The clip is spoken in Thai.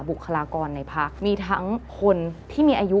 บุคลากรในพักมีทั้งคนที่มีอายุ